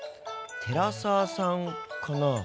寺澤さんかな？